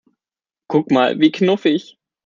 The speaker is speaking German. Guck mal, wie knuffig!